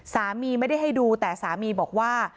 สามีไม่ได้ให้ดูแต่สามีบอกว่า